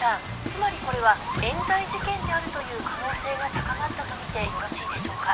つまりこれはえん罪事件であるという可能性が高まったと見てよろしいでしょうか？